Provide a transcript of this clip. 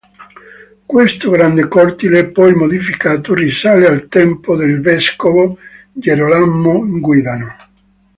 Questo grande cortile, poi modificato, risale al tempo del vescovo Gerolamo Guidano.